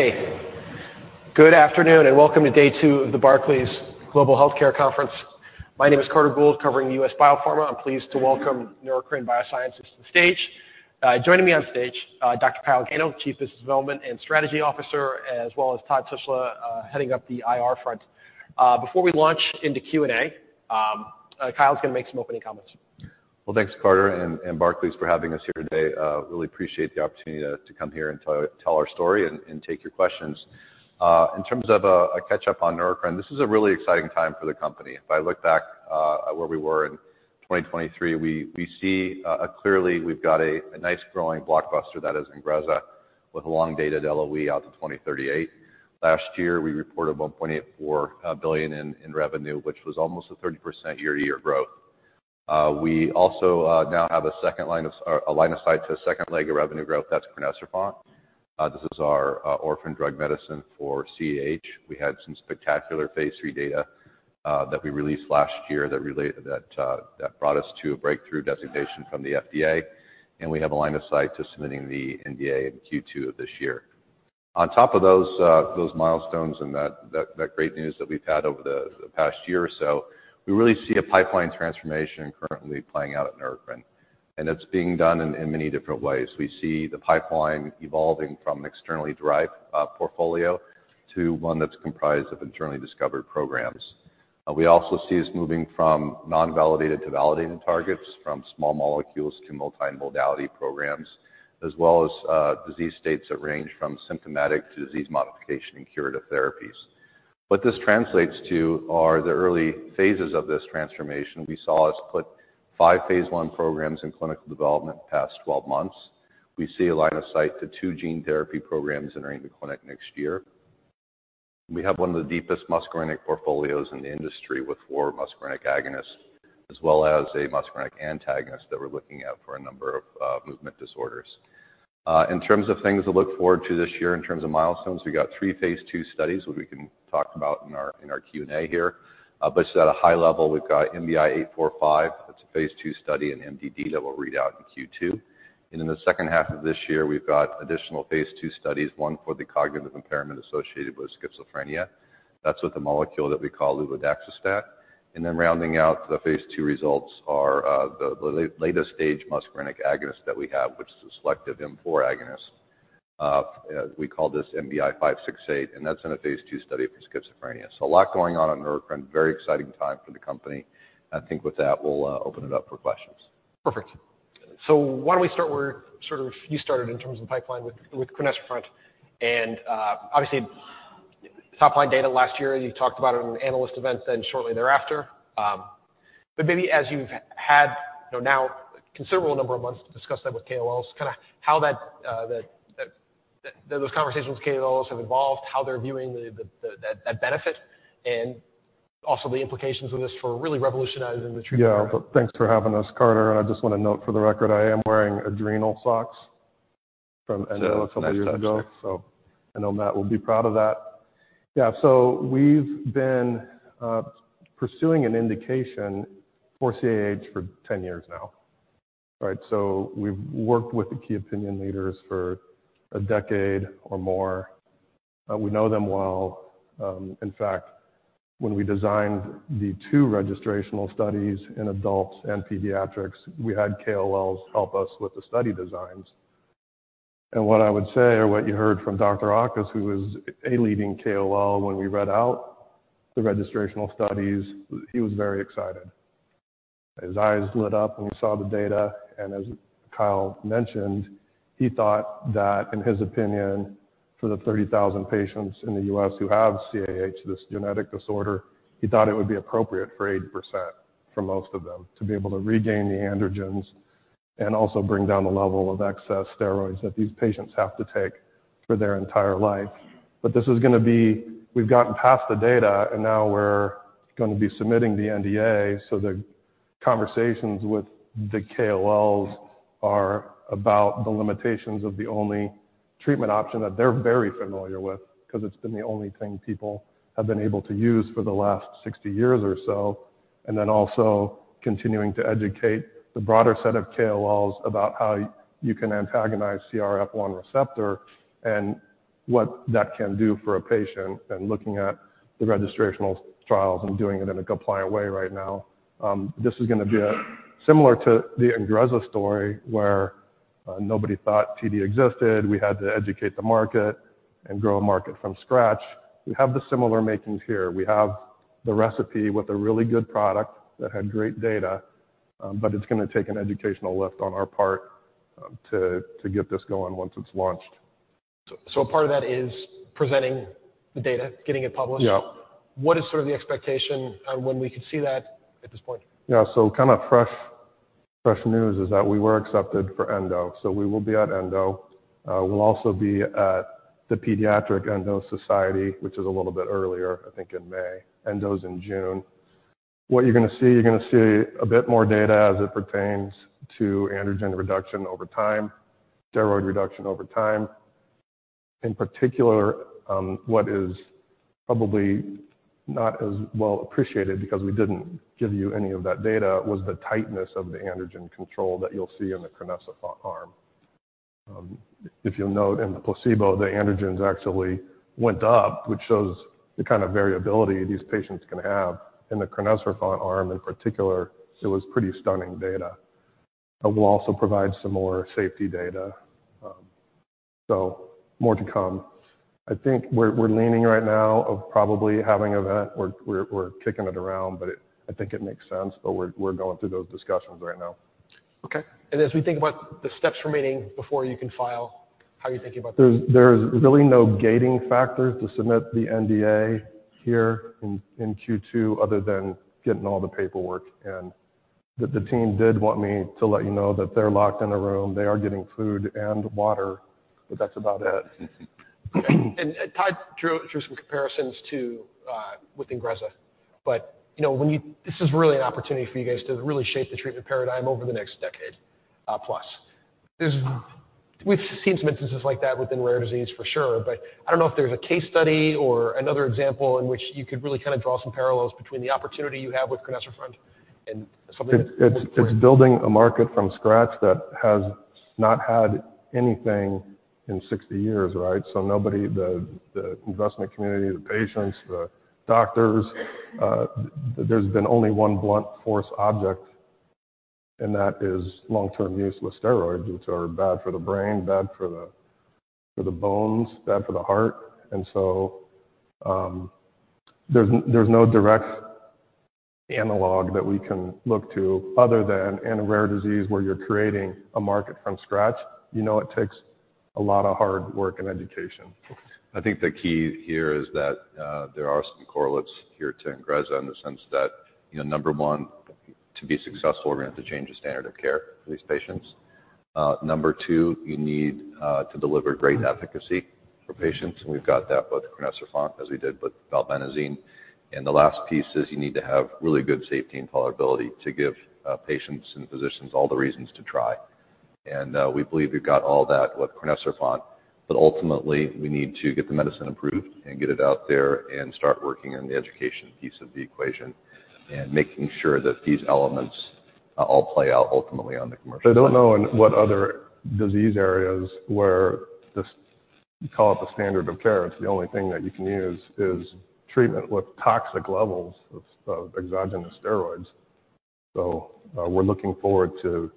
Hey. Good afternoon and welcome to day two of the Barclays Global Healthcare Conference. My name is Carter Gould, covering U.S. biopharma. I'm pleased to welcome Neurocrine Biosciences to the stage. Joining me on stage, Dr. Kyle Gano, Chief Business Development and Strategy Officer, as well as Todd Tushla, heading up the IR front. Before we launch into Q&A, Kyle's going to make some opening comments. Well, thanks, Carter, and Barclays for having us here today. Really appreciate the opportunity to come here and tell our story and take your questions. In terms of a catch-up on Neurocrine, this is a really exciting time for the company. If I look back at where we were in 2023, we see clearly we've got a nice growing blockbuster that is INGREZZA, with a long-dated LOE out to 2038. Last year, we reported $1.84 billion in revenue, which was almost 30% year-to-year growth. We also now have a second line of sight to a second leg of revenue growth. That's crinecerfont. This is our orphan drug medicine for CAH. We had some spectacular phase III data that we released last year that brought us to a breakthrough designation from the FDA, and we have a line of sight to submitting the NDA in Q2 of this year. On top of those milestones and that great news that we've had over the past year or so, we really see a pipeline transformation currently playing out at Neurocrine, and it's being done in many different ways. We see the pipeline evolving from an externally derived portfolio to one that's comprised of internally discovered programs. We also see us moving from non-validated to validated targets, from small molecules to multi-modality programs, as well as disease states that range from symptomatic to disease modification and curative therapies. What this translates to are the early phases of this transformation. We saw us put five phase I programs in clinical development past 12 months. We see a line of sight to two gene therapy programs entering the clinic next year. We have one of the deepest muscarinic portfolios in the industry, with four muscarinic agonists, as well as a muscarinic antagonist that we're looking at for a number of movement disorders. In terms of things to look forward to this year, in terms of milestones, we've got three phase II studies, which we can talk about in our Q&A here. But just at a high level, we've got NBI-'845. That's a phase II study and MDD that we'll read out in Q2. And in the second half of this year, we've got additional phase II studies, one for the cognitive impairment associated with schizophrenia. That's with a molecule that we call luvadaxistat. And then rounding out the phase II results are the latest stage muscarinic agonist that we have, which is a selective M4 agonist. We call this NBI-'568, and that's in a phase II study for schizophrenia. A lot going on at Neurocrine. Very exciting time for the company. I think with that, we'll open it up for questions. Perfect. So why don't we start where sort of you started in terms of the pipeline with crinecerfont. And obviously, top-line data last year, you talked about it in an analyst event then shortly thereafter. But maybe as you've had now a considerable number of months to discuss that with KOLs, kind of how those conversations with KOLs have evolved, how they're viewing that benefit, and also the implications of this for really revolutionizing the treatment. Yeah. Thanks for having us, Carter. And I just want to note for the record, I am wearing adrenal socks from CARES a couple of years ago, so I know Matt will be proud of that. Yeah. So we've been pursuing an indication for CAH for 10 years now, right? So we've worked with the key opinion leaders for a decade or more. We know them well. In fact, when we designed the two registrational studies in adults and pediatrics, we had KOLs help us with the study designs. And what I would say, or what you heard from Dr. Auchus, who was a leading KOL when we read out the registrational studies, he was very excited. His eyes lit up when he saw the data. And as Kyle mentioned, he thought that, in his opinion, for the 30,000 patients in the U.S. who have CAH, this genetic disorder, he thought it would be appropriate for 80% for most of them to be able to regain the androgens and also bring down the level of excess steroids that these patients have to take for their entire life. But this is going to be. We've gotten past the data, and now we're going to be submitting the NDA. So the conversations with the KOLs are about the limitations of the only treatment option that they're very familiar with because it's been the only thing people have been able to use for the last 60 years or so, and then also continuing to educate the broader set of KOLs about how you can antagonize CRF1 receptor and what that can do for a patient, and looking at the registrational trials and doing it in a compliant way right now. This is going to be similar to the INGREZZA story where nobody thought TD existed. We had to educate the market and grow a market from scratch. We have the similar makings here. We have the recipe with a really good product that had great data, but it's going to take an educational lift on our part to get this going once it's launched. A part of that is presenting the data, getting it published. What is sort of the expectation on when we could see that at this point? Yeah. So kind of fresh news is that we were accepted for Endo. So we will be at Endo. We'll also be at the Pediatric Endo Society, which is a little bit earlier, I think, in May. Endo's in June. What you're going to see, you're going to see a bit more data as it pertains to androgen reduction over time, steroid reduction over time. In particular, what is probably not as well appreciated because we didn't give you any of that data was the tightness of the androgen control that you'll see in the crinecerfont arm. If you'll note, in the placebo, the androgens actually went up, which shows the kind of variability these patients can have. In the crinecerfont arm in particular, it was pretty stunning data. It will also provide some more safety data. So more to come. I think we're leaning right now of probably having an event. We're kicking it around, but I think it makes sense. But we're going through those discussions right now. Okay. As we think about the steps remaining before you can file, how are you thinking about that? There's really no gating factors to submit the NDA here in Q2 other than getting all the paperwork. The team did want me to let you know that they're locked in a room. They are getting food and water, but that's about it. Todd drew some comparisons with INGREZZA. But this is really an opportunity for you guys to really shape the treatment paradigm over the next decade plus. We've seen some instances like that within rare disease, for sure, but I don't know if there's a case study or another example in which you could really kind of draw some parallels between the opportunity you have with crinecerfont and something that's important for you. It's building a market from scratch that has not had anything in 60 years, right? So nobody, the investment community, the patients, the doctors, there's been only one blunt force object, and that is long-term use with steroids, which are bad for the brain, bad for the bones, bad for the heart. And so there's no direct analog that we can look to other than in rare disease where you're creating a market from scratch. You know it takes a lot of hard work and education. I think the key here is that there are some correlates here to INGREZZA in the sense that, number one, to be successful, we're going to have to change the standard of care for these patients. Number two, you need to deliver great efficacy for patients, and we've got that with crinecerfont as we did with valbenazine. And the last piece is you need to have really good safety and tolerability to give patients and physicians all the reasons to try. And we believe we've got all that with crinecerfont, but ultimately, we need to get the medicine approved and get it out there and start working on the education piece of the equation and making sure that these elements all play out ultimately on the commercial market. I don't know in what other disease areas where this, call it, the standard of care. It's the only thing that you can use is treatment with toxic levels of exogenous steroids. So we're looking forward to.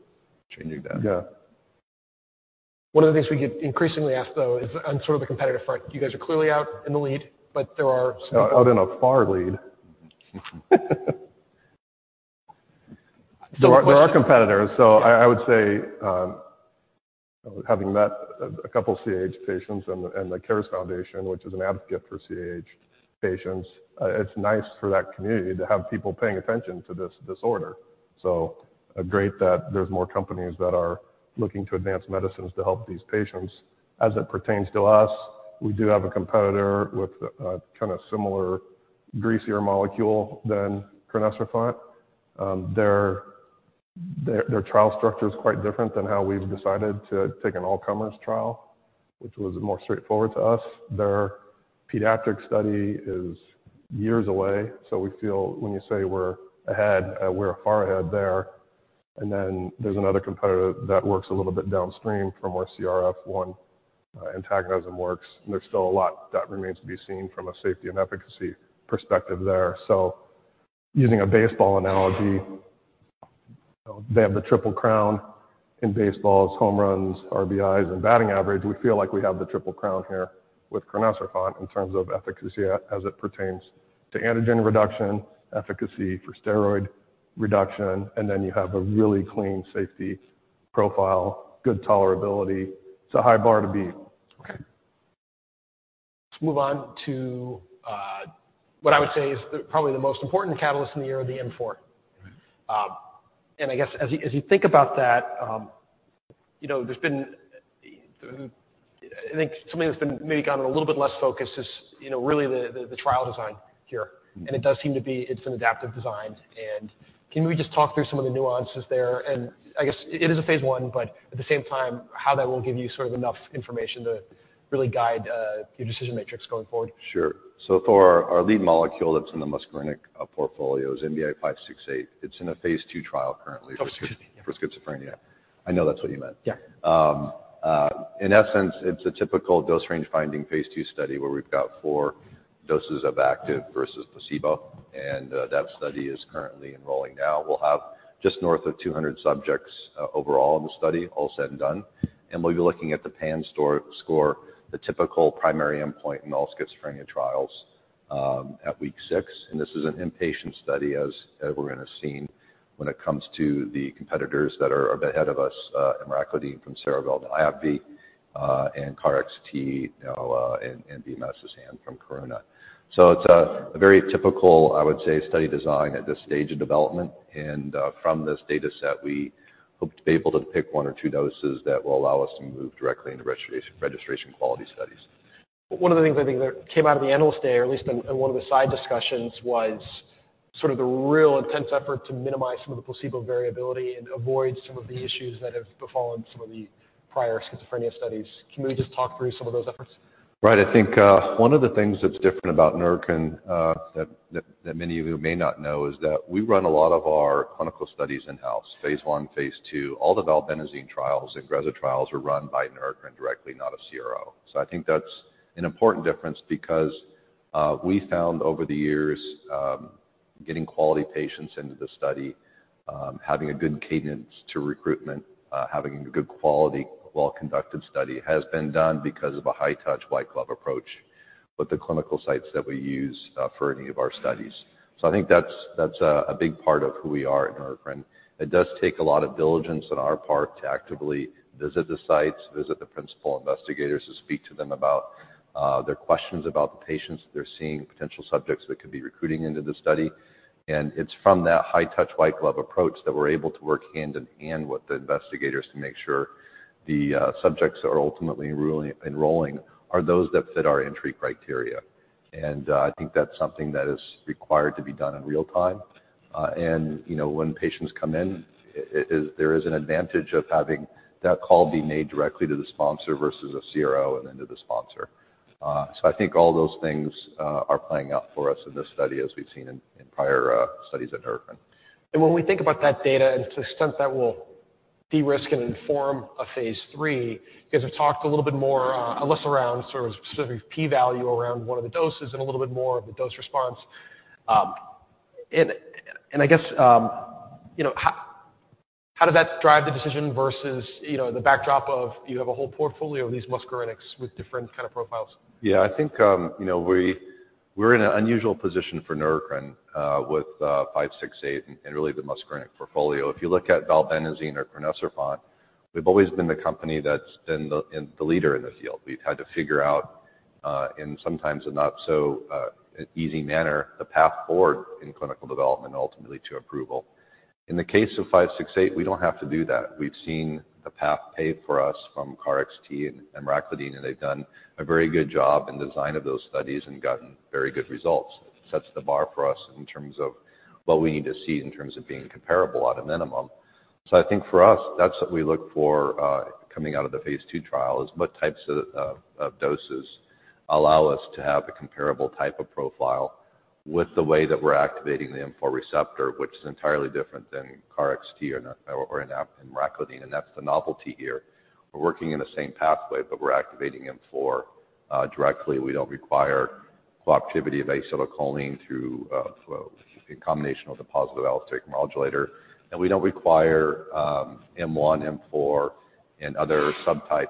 Changing that. Yeah. One of the things we get increasingly asked, though, is on sort of the competitive front. You guys are clearly out in the lead, but there are some people. We have a far lead. There are competitors. So I would say having met a couple of CAH patients and the CARES Foundation, which is an advocate for CAH patients, it's nice for that community to have people paying attention to this disorder. So great that there's more companies that are looking to advance medicines to help these patients. As it pertains to us, we do have a competitor with kind of a similar, greasier molecule than crinecerfont. Their trial structure is quite different than how we've decided to take an all-comers trial, which was more straightforward to us. Their pediatric study is years away, so we feel when you say we're ahead, we're far ahead there. And then there's another competitor that works a little bit downstream from where CRF1 antagonism works, and there's still a lot that remains to be seen from a safety and efficacy perspective there. So using a baseball analogy, they have the triple crown in baseball's, home runs, RBIs, and batting average. We feel like we have the triple crown here with crinecerfont in terms of efficacy as it pertains to androgen reduction, efficacy for steroid reduction, and then you have a really clean safety profile, good tolerability. It's a high bar to beat. Okay. Let's move on to what I would say is probably the most important catalyst in the year of the M4. I guess as you think about that, there's been, I think, something that's been maybe gotten a little bit less focused, is really the trial design here. It does seem to be, it's an adaptive design. Can we just talk through some of the nuances there? I guess it is a phase I, but at the same time, how that will give you sort of enough information to really guide your decision matrix going forward. Sure. So for our lead molecule that's in the muscarinic portfolio is NBI-'568. It's in a phase II trial currently for schizophrenia. I know that's what you meant. In essence, it's a typical dose range finding phase II study where we've got four doses of active versus placebo, and that study is currently enrolling now. We'll have just north of 200 subjects overall in the study, all said and done. And we'll be looking at the PANSS score, the typical primary endpoint in all schizophrenia trials at week six. And this is an inpatient study as we're going to have seen when it comes to the competitors that are a bit ahead of us, emraclidine from Cerevel Therapeutics, and KarXT and BMS's hand from Karuna. So it's a very typical, I would say, study design at this stage of development. From this dataset, we hope to be able to pick one or two doses that will allow us to move directly into registration quality studies. One of the things I think that came out of the analyst day, or at least in one of the side discussions, was sort of the real intense effort to minimize some of the placebo variability and avoid some of the issues that have befallen some of the prior schizophrenia studies. Can we just talk through some of those efforts? Right. I think one of the things that's different about Neurocrine that many of you may not know is that we run a lot of our clinical studies in-house, phase I, phase II. All the valbenazine trials, INGREZZA trials, are run by Neurocrine directly, not a CRO. So I think that's an important difference because we found over the years, getting quality patients into the study, having a good cadence to recruitment, having a good quality, well-conducted study has been done because of a high-touch white glove approach with the clinical sites that we use for any of our studies. So I think that's a big part of who we are at Neurocrine. It does take a lot of diligence on our part to actively visit the sites, visit the principal investigators to speak to them about their questions about the patients that they're seeing, potential subjects that could be recruiting into the study. It's from that high-touch white glove approach that we're able to work hand in hand with the investigators to make sure the subjects that are ultimately enrolling are those that fit our entry criteria. I think that's something that is required to be done in real time. When patients come in, there is an advantage of having that call be made directly to the sponsor versus a CRO and then to the sponsor. I think all those things are playing out for us in this study as we've seen in prior studies at Neurocrine. When we think about that data and to the extent that will de-risk and inform a phase III, because we've talked a little bit more or less around sort of specific p-value around one of the doses and a little bit more of the dose response. I guess how does that drive the decision versus the backdrop of you have a whole portfolio of these muscarinics with different kind of profiles? Yeah. I think we're in an unusual position for Neurocrine with NBI-'568 and really the muscarinic portfolio. If you look at valbenazine or crinecerfont, we've always been the company that's been the leader in the field. We've had to figure out in sometimes a not-so-easy manner the path forward in clinical development and ultimately to approval. In the case of NBI-'568, we don't have to do that. We've seen the path pay for us from KarXT and emraclidine, and they've done a very good job in design of those studies and gotten very good results. It sets the bar for us in terms of what we need to see in terms of being comparable at a minimum. So I think for us, that's what we look for coming out of the phase II trial is what types of doses allow us to have a comparable type of profile with the way that we're activating the M4 receptor, which is entirely different than KarXT or emraclidine. And that's the novelty here. We're working in the same pathway, but we're activating M4 directly. We don't require cooperativity of acetylcholine in combination with a positive allosteric modulator. And we don't require M1, M4, and other subtypes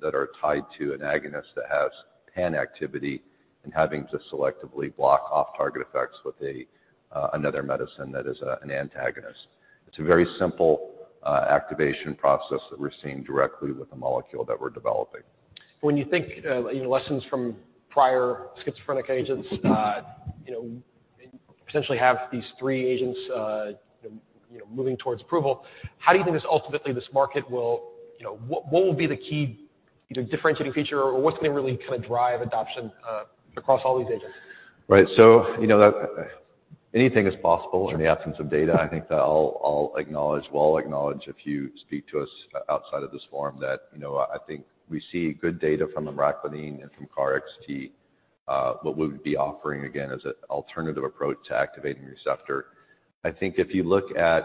that are tied to an agonist that has pan activity and having to selectively block off-target effects with another medicine that is an antagonist. It's a very simple activation process that we're seeing directly with the molecule that we're developing. When you think lessons from prior schizophrenia agents and potentially have these three agents moving toward approval, how do you think ultimately this market will be the key differentiating feature, or what's going to really kind of drive adoption across all these agents? Right. So anything is possible in the absence of data. I think that I'll acknowledge, we'll acknowledge if you speak to us outside of this forum that I think we see good data from emraclidine and from KarXT, what we would be offering, again, as an alternative approach to activating receptor. I think if you look at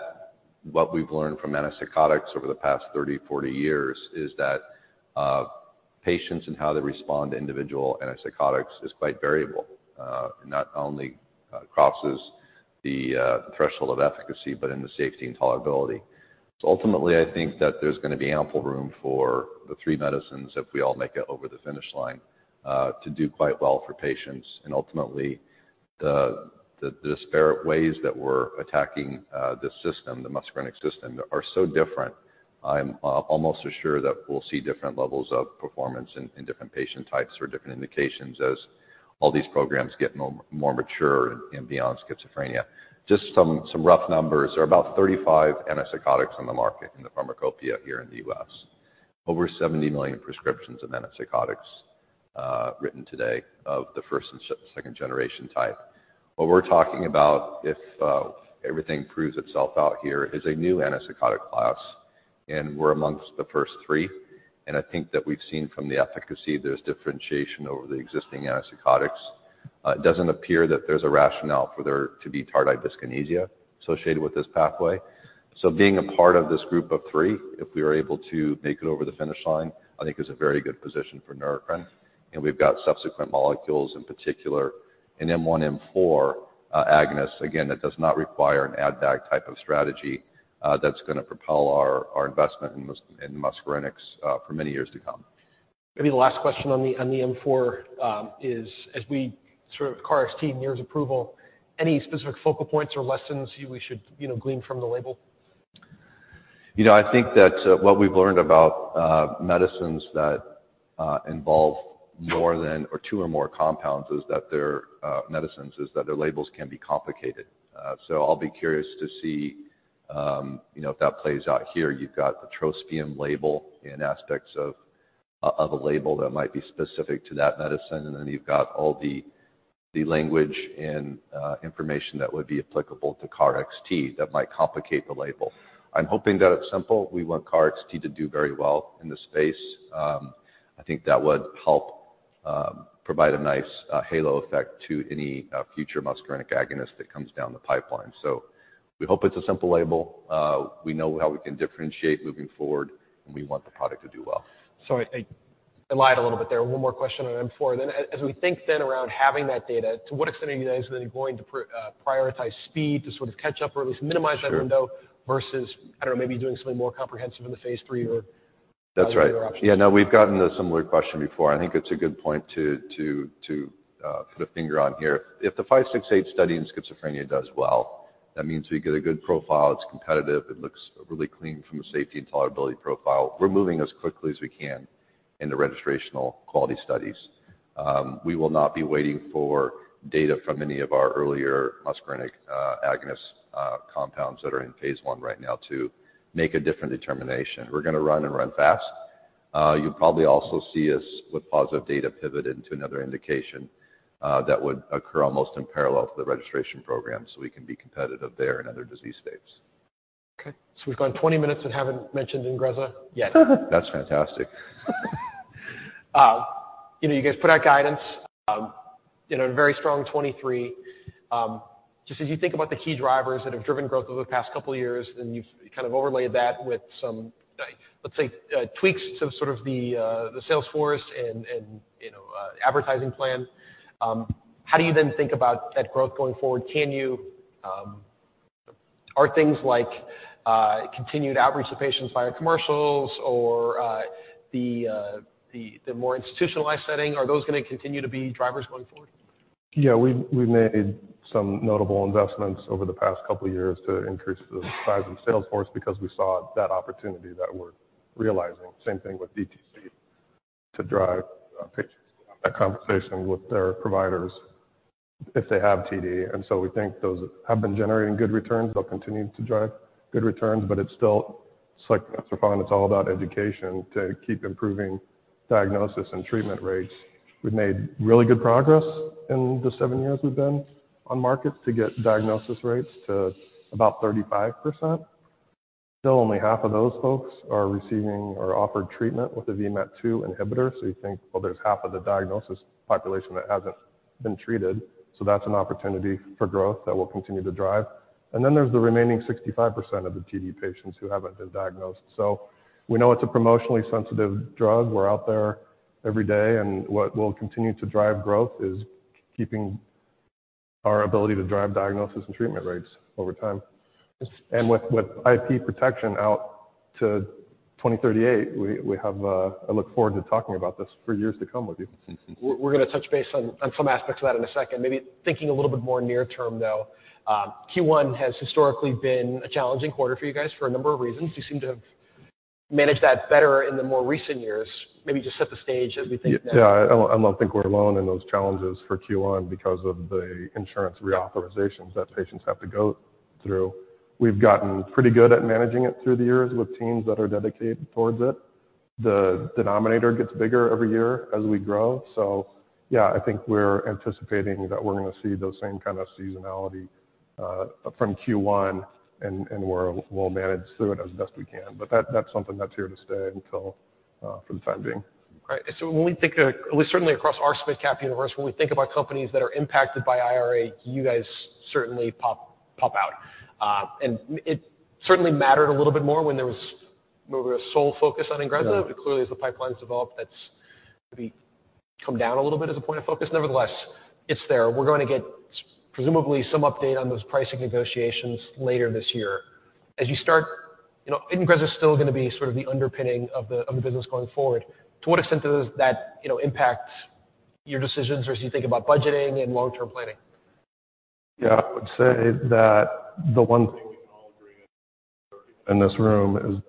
what we've learned from antipsychotics over the past 30, 40 years is that patients and how they respond to individual antipsychotics is quite variable and not only crosses the threshold of efficacy but in the safety and tolerability. So ultimately, I think that there's going to be ample room for the three medicines if we all make it over the finish line to do quite well for patients. And ultimately, the disparate ways that we're attacking this system, the muscarinic system, are so different, I'm almost assured that we'll see different levels of performance in different patient types or different indications as all these programs get more mature and beyond schizophrenia. Just some rough numbers. There are about 35 antipsychotics on the market in the pharmacopeia here in the U.S., over 70 million prescriptions of antipsychotics written today of the first and second generation type. What we're talking about, if everything proves itself out here, is a new antipsychotic class, and we're amongst the first three. And I think that we've seen from the efficacy, there's differentiation over the existing antipsychotics. It doesn't appear that there's a rationale for there to be tardive dyskinesia associated with this pathway. Being a part of this group of three, if we are able to make it over the finish line, I think is a very good position for Neurocrine. We've got subsequent molecules in particular, an M1, M4 agonist, again, that does not require an add-bag type of strategy that's going to propel our investment in the muscarinics for many years to come. Maybe the last question on the M4 is, as we sort of KarXT nears approval, any specific focal points or lessons we should glean from the label? I think that what we've learned about medicines that involve more than or two or more compounds is that their medicines is that their labels can be complicated. So I'll be curious to see if that plays out here. You've got the trospium label in aspects of a label that might be specific to that medicine. And then you've got all the language and information that would be applicable to KarXT that might complicate the label. I'm hoping that it's simple. We want KarXT to do very well in this space. I think that would help provide a nice halo effect to any future muscarinic agonist that comes down the pipeline. So we hope it's a simple label. We know how we can differentiate moving forward, and we want the product to do well. So I lied a little bit there. One more question on M4. Then as we think then around having that data, to what extent are you guys then going to prioritize speed to sort of catch up or at least minimize that window versus, I don't know, maybe doing something more comprehensive in the phase III or other options? That's right. Yeah. No, we've gotten a similar question before. I think it's a good point to put a finger on here. If the '568 study in schizophrenia does well, that means we get a good profile. It's competitive. It looks really clean from a safety and tolerability profile. We're moving as quickly as we can into registrational quality studies. We will not be waiting for data from any of our earlier muscarinic agonist compounds that are in phase I right now to make a different determination. We're going to run and run fast. You'll probably also see us with positive data pivot into another indication that would occur almost in parallel to the registration program so we can be competitive there in other disease states. Okay. So we've gone 20 minutes and haven't mentioned INGREZZA yet. That's fantastic. You guys put out guidance, a very strong 2023. Just as you think about the key drivers that have driven growth over the past couple of years, and you've kind of overlaid that with some, let's say, tweaks to sort of the sales force and advertising plan, how do you then think about that growth going forward? Are things like continued outreach to patients via commercials or the more institutionalized setting, are those going to continue to be drivers going forward? Yeah. We've made some notable investments over the past couple of years to increase the size of sales force because we saw that opportunity that we're realizing. Same thing with DTC to drive patients to have that conversation with their providers if they have TD. And so we think those have been generating good returns. They'll continue to drive good returns. But it's still, like crinecerfont, it's all about education to keep improving diagnosis and treatment rates. We've made really good progress in the seven years we've been on market to get diagnosis rates to about 35%. Still, only half of those folks are receiving or offered treatment with a VMAT2 inhibitor. So you think, well, there's half of the diagnosis population that hasn't been treated. So that's an opportunity for growth that will continue to drive. And then there's the remaining 65% of the TD patients who haven't been diagnosed. We know it's a promotionally sensitive drug. We're out there every day. What will continue to drive growth is keeping our ability to drive diagnosis and treatment rates over time. With IP protection out to 2038, I look forward to talking about this for years to come with you. We're going to touch base on some aspects of that in a second. Maybe thinking a little bit more near-term, though, Q1 has historically been a challenging quarter for you guys for a number of reasons. You seem to have managed that better in the more recent years. Maybe just set the stage as we think now. Yeah. I don't think we're alone in those challenges for Q1 because of the insurance reauthorizations that patients have to go through. We've gotten pretty good at managing it through the years with teams that are dedicated towards it. The denominator gets bigger every year as we grow. So yeah, I think we're anticipating that we're going to see those same kind of seasonality from Q1, and we'll manage through it as best we can. But that's something that's here to stay for the time being. Right. So when we think of certainly across our SMID cap universe, when we think about companies that are impacted by IRA, you guys certainly pop out. And it certainly mattered a little bit more when there was more of a sole focus on INGREZZA. Clearly, as the pipelines develop, that's maybe come down a little bit as a point of focus. Nevertheless, it's there. We're going to get presumably some update on those pricing negotiations later this year. As you start, INGREZZA is still going to be sort of the underpinning of the business going forward. To what extent does that impact your decisions or as you think about budgeting and long-term planning? Yeah. I would say that the one thing we can all agree on in this room is that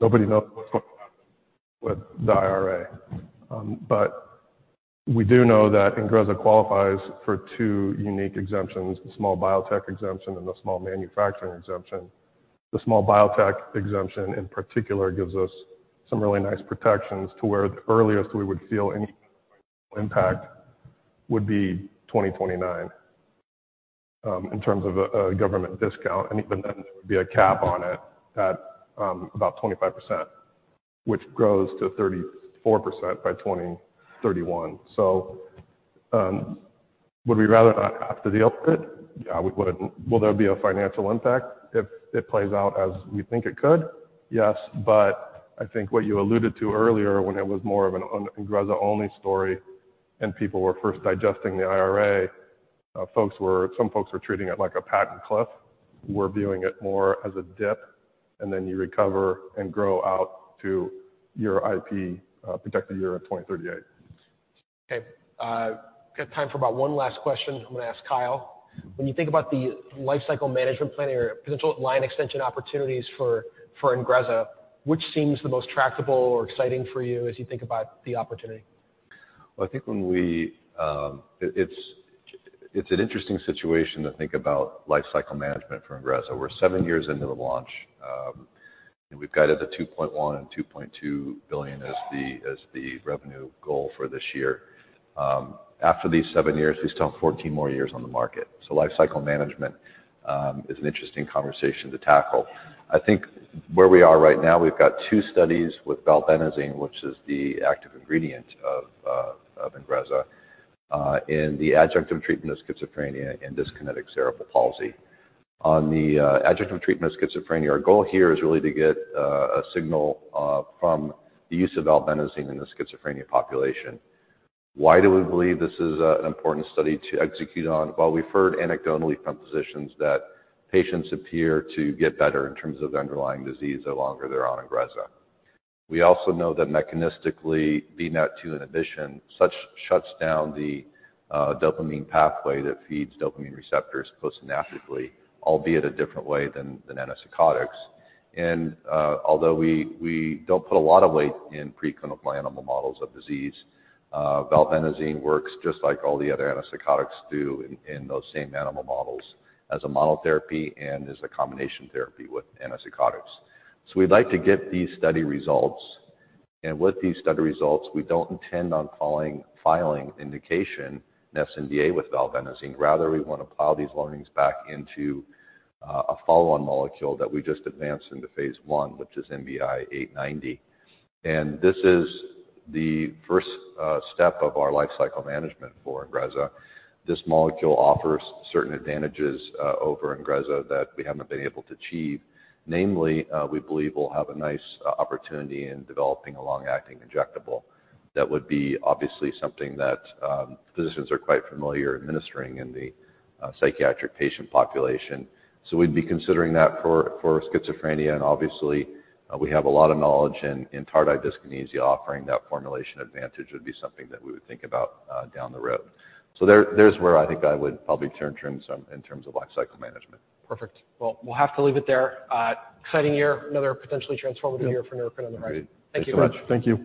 nobody knows what's going to happen with the IRA. But we do know that INGREZZA qualifies for two unique exemptions, the small biotech exemption and the small manufacturing exemption. The small biotech exemption, in particular, gives us some really nice protections to where the earliest we would feel any impact would be 2029 in terms of a government discount. And even then, there would be a cap on it at about 25%, which grows to 34% by 2031. So would we rather not have to deal with it? Yeah, we wouldn't. Will there be a financial impact? If it plays out as we think it could, yes. I think what you alluded to earlier when it was more of an INGREZZA-only story and people were first digesting the IRA, some folks were treating it like a patent cliff. We're viewing it more as a dip, and then you recover and grow out to your IP protected year in 2038. Okay. Got time for about one last question. I'm going to ask Kyle. When you think about the lifecycle management plan or potential line extension opportunities for INGREZZA, which seems the most tractable or exciting for you as you think about the opportunity? Well, I think it's an interesting situation to think about lifecycle management for INGREZZA. We're seven years into the launch, and we've guided the $2.1 billion and $2.2 billion as the revenue goal for this year. After these seven years, we still have 14 more years on the market. So lifecycle management is an interesting conversation to tackle. I think where we are right now, we've got two studies with valbenazine, which is the active ingredient of INGREZZA, and the adjunctive treatment of schizophrenia and dyskinetic cerebral palsy. On the adjunctive treatment of schizophrenia, our goal here is really to get a signal from the use of valbenazine in the schizophrenia population. Why do we believe this is an important study to execute on? Well, we've heard anecdotally from physicians that patients appear to get better in terms of the underlying disease the longer they're on INGREZZA. We also know that mechanistically, VMAT2 inhibition shuts down the dopamine pathway that feeds dopamine receptors postsynaptically, albeit a different way than antipsychotics. And although we don't put a lot of weight in preclinical animal models of disease, valbenazine works just like all the other antipsychotics do in those same animal models as a monotherapy and as a combination therapy with antipsychotics. So we'd like to get these study results. And with these study results, we don't intend on filing an sNDA with valbenazine. Rather, we want to plow these learnings back into a follow-on molecule that we just advanced into phase I, which is NBI-'890. And this is the first step of our lifecycle management for INGREZZA. This molecule offers certain advantages over INGREZZA that we haven't been able to achieve. Namely, we believe we'll have a nice opportunity in developing a long-acting injectable that would be obviously something that physicians are quite familiar administering in the psychiatric patient population. So we'd be considering that for schizophrenia. And obviously, we have a lot of knowledge in tardive dyskinesia. Offering that formulation advantage would be something that we would think about down the road. So there's where I think I would probably turn trends in terms of lifecycle management. Perfect. Well, we'll have to leave it there. Exciting year, another potentially transformative year for Neurocrine on the right. Thank you very much. Thank you.